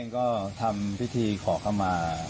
ก็ทำพิธีขอเข้ามา